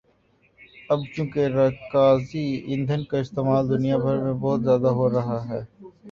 اب چونکہ رکازی ایندھن کا استعمال دنیا بھر میں بہت زیادہ ہورہا ہے